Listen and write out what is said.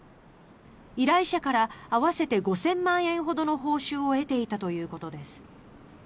依頼者から合わせて５０００万円ほどの報酬を得ていたということです。